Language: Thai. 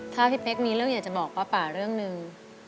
ถ้าพี่เป๊กมีเรื่องอยากจะบอกป้าป่าเรื่องหนึ่ง